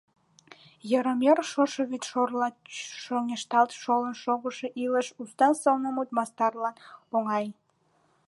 Йырым-йыр шошо вӱдшорла шоҥешталт шолын шогышо илыш уста сылнымут мастарлан оҥай...